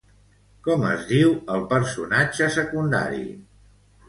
Com es diu el personatge secundari?